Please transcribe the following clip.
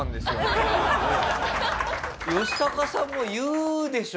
ヨシタカさんも言うでしょ